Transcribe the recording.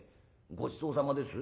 『ごちそうさまです』？